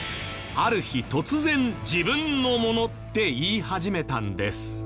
ある日突然自分のものって言い始めたんです。